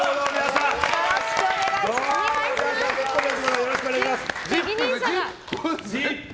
よろしくお願いします。